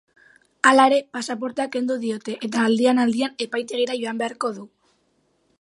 Hala ere, pasaportea kendu diote eta aldian-aldian epaitegira joan beharko du.